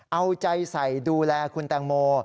เอาใจใส่ดูแลคุณแตงโม